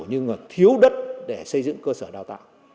nhưng mà thiếu đất để xây dựng cơ sở đào tạo